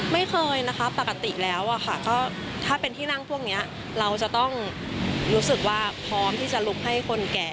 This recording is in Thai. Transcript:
ไม่เคยนะคะปกติแล้วอะค่ะก็ถ้าเป็นที่นั่งพวกนี้เราจะต้องรู้สึกว่าพร้อมที่จะลุกให้คนแก่